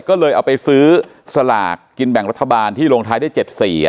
ก็เลยเอาไปซื้อสลากกินแบ่งรัฐบาลที่ลงท้ายได้๗๔